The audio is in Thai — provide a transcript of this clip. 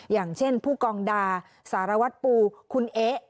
อย่างเช่นผู้กองดาสารวัตรปูคุณเอ๊ะ